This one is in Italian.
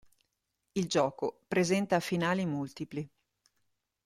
Il gioco presenta finali multipli.